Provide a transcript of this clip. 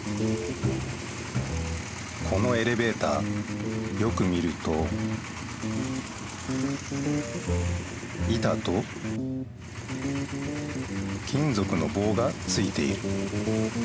このエレベーターよく見ると板と金ぞくの棒がついている。